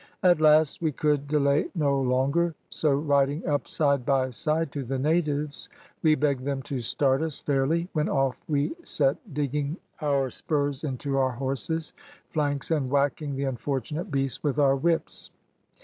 At last we could delay no longer, so riding up side by side to the natives we begged them to start us fairly, when off we set digging nor spurs into our horses' flanks and whacking the unfortunate beasts with our whips.